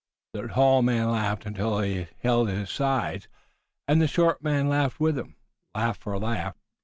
The tall man laughed until he held his sides, and the short man laughed with him, laugh for laugh.